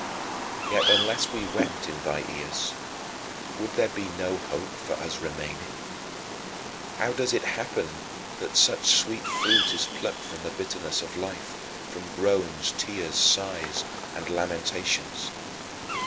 Yet unless we wept in thy ears, there would be no hope for us remaining. How does it happen that such sweet fruit is plucked from the bitterness of life, from groans, tears, sighs, and lamentations?